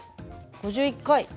５１回。